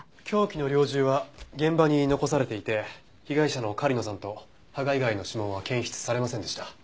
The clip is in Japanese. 凶器の猟銃は現場に残されていて被害者の狩野さんと芳賀以外の指紋は検出されませんでした。